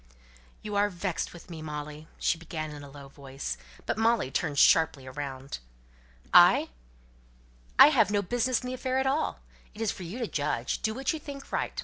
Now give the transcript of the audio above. "You are vexed with me, Molly," she began in a low voice. But Molly turned sharply round: "I! I have no business at all in the affair. It is for you to judge. Do what you think right.